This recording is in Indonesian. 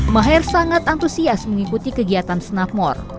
maher sangat antusias mengikuti kegiatan snap more